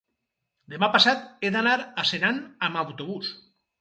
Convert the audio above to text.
demà passat he d'anar a Senan amb autobús.